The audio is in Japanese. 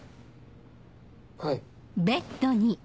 はい。